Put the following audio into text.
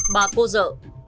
bà cô dợ